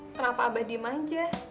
kenapa abah dimajah